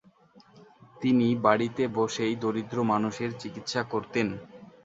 তিনি বাড়িতে বসেই দরিদ্র মানুষের চিকিৎসা করতেন।